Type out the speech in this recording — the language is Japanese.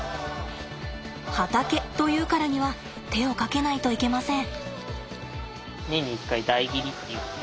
畑というからには手をかけないといけません。